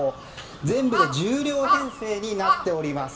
全部で１０両編成になっています。